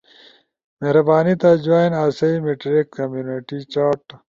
، مہربانی تھا جوائن آسئی میٹریکس کمیونٹی چاٹ